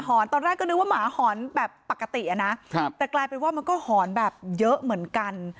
ตอนแรกก็นึกว่าหมาหอนแบบปกติอ่ะนะครับแต่กลายเป็นว่ามันก็หอนแบบเยอะเหมือนกัน